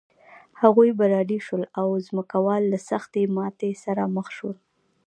هغوی بریالي شول او ځمکوال له سختې ماتې سره مخ شول.